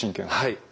はい。